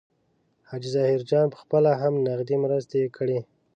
حاجي ظاهرجان پخپله هم نغدي مرستې کړي.